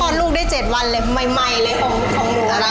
พอดลูกได้๗วันเลยใหม่เลยของหนู